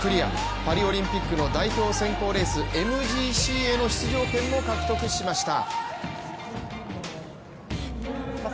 パリオリンピックの代表選考レースＭＧＣへの出場権も獲得しました。